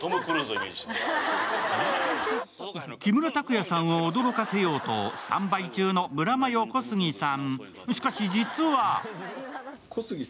木村拓哉さんを驚かせようとスタンバイ中のブラマヨ小杉さん。